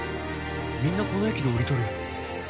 みんなこの駅で降りとるやん。